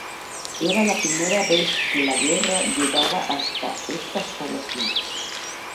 Era la primera vez que la guerra llegaba hasta esas poblaciones.